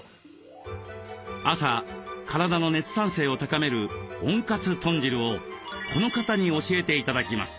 朝体の熱産生を高める「温活豚汁」をこの方に教えて頂きます。